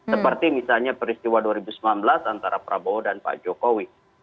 seperti misalnya peristiwa dua ribu sembilan belas antara prabowo dan pak jokowi